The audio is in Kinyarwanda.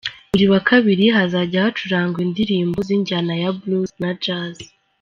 Buri wa kabiri:Hazajya hacurangwa indirimbo z’injyana ya Blues na Jazz.